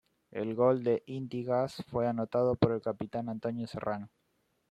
El gol de Inti Gas fue anotado por el capitán Antonio Serrano.